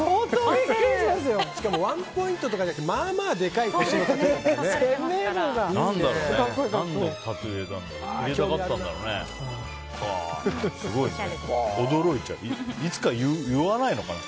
しかもワンポイントとかじゃなくてまあまあでかいタトゥーですからね。